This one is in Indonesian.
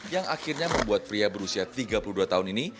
yang akhirnya membuat pria berusia tiga puluh dua tahun ini